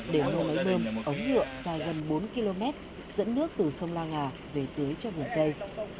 để nô lấy bơm ống nhựa dài gần bốn km dẫn nước từ sông la ngà về tưới cho vườn cây